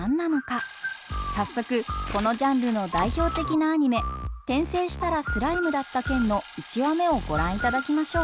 早速このジャンルの代表的なアニメ「転生したらスライムだった件」の１話目をご覧いただきましょう。